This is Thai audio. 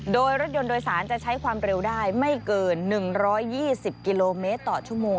โดยรถยนต์โดยสารจะใช้ความเร็วได้ไม่เกิน๑๒๐กิโลเมตรต่อชั่วโมง